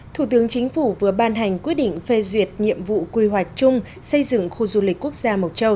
thủ tướng chính phủ vừa ban hành quyết định phê duyệt nhiệm vụ quy hoạch chung xây dựng khu du lịch quốc gia mộc châu